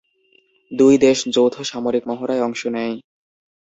দুই দেশ যৌথ সামরিক মহড়ায় অংশ নেয়।